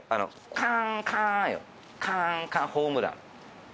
カーン、カーン、ホームラン。